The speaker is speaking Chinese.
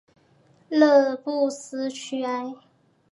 勒布斯屈埃。